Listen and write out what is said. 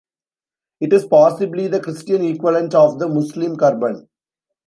It is possibly the Christian equivalent of the Muslim Kurban.